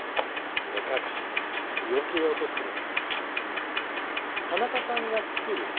目隠しや、日よけ用としてです。